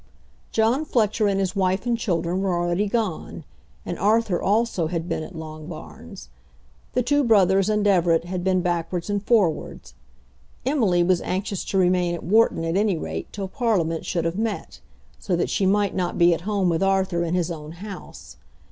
John Fletcher and his wife and children were already gone, and Arthur also had been at Longbarns. The two brothers and Everett had been backwards and forwards. Emily was anxious to remain at Wharton at any rate till Parliament should have met, so that she might not be at home with Arthur in his own house.